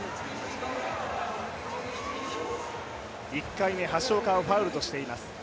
１回目、橋岡はファウルとしています。